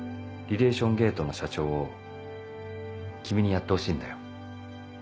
リレーション・ゲートの社長を君にやってほしいんだよ。